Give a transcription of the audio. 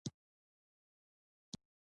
د تولیدیت زیاتوالی دا راټیټېدنه ممکنه کړې ده